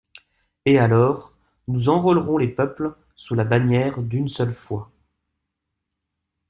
Et alors, nous enrôlerons les peuples sous la bannière d'une seule foi.